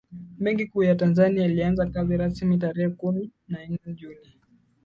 benki kuu ya tanzania ilianza kazi rasmi tarehe kumi na nne juni